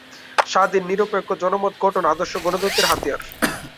স্বাধীন নিরপেক্ষ জনমত গঠন আদর্শ গণতন্ত্রের হাতিয়ার।